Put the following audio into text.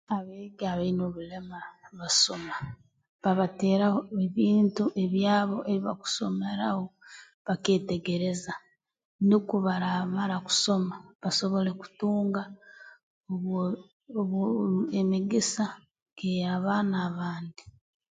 Abeegi abaine obulema abasoma babateeraho ebintu ebyabo ebi bakusomeraho bakeetegereza nukwo baraamara kusoma basobole kutunga obwo obwo emigisa nkey'abaana abandi